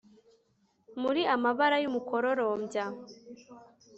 Muri amabara yumukororombya